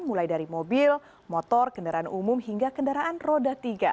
mulai dari mobil motor kendaraan umum hingga kendaraan roda tiga